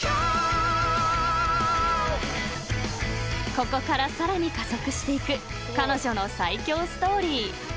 ［ここからさらに加速していく彼女の最強ストーリー］